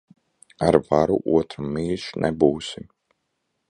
Ar varu otram mīļš nebūsi.